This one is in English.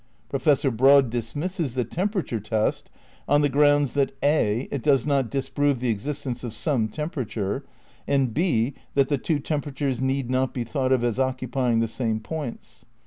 Professor Broad dismisses the temperature test on the grounds that (a) it does not disprove the existence of some tem perature, and (6) that the two temperatures need not be thought of as occupying the same points.